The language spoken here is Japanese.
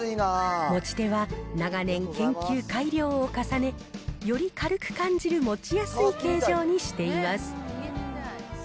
持ち手は長年、研究、改良を重ね、より軽く感じる持ちやすい形状にしています。